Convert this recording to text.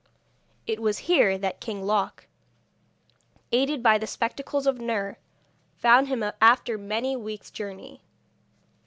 It was here that King Loc, aided by the spectacles of Nur, found him after many weeks' journey.